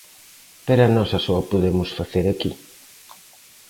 Pero a nosa só a podemos facer aquí.